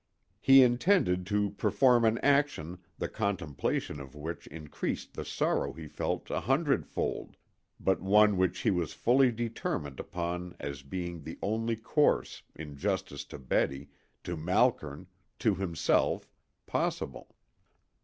He intended to perform an action the contemplation of which increased the sorrow he felt an hundredfold, but one which he was fully determined upon as being the only course, in justice to Betty, to Malkern, to himself, possible.